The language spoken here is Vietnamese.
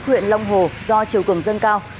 huyện long hồ do chiều cường dân cao